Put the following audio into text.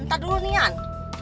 bentar dulu nih iyan